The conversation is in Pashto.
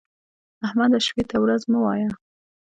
احمده! شپې ته ورځ مه وايه.